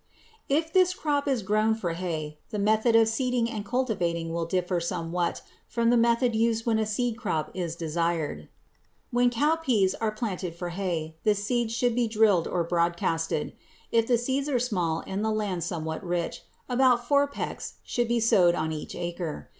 COWPEAS] If this crop is grown for hay, the method of seeding and cultivating will differ somewhat from the method used when a seed crop is desired. When cowpeas are planted for hay the seeds should be drilled or broadcasted. If the seeds are small and the land somewhat rich, about four pecks should be sowed on each acre.